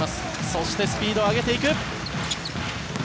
そして、スピードを上げていく。